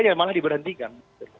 yang malah diberhentikan